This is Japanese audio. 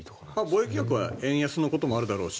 貿易額は円安のこともあるだろうし。